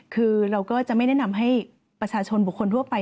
คือเราก็จะไม่แนะนำให้ประชาชนบุคคลทั่วไป